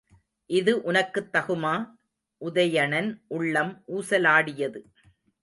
இது உனக்குத் தகுமா? உதயணன் உள்ளம் ஊசலாடியது.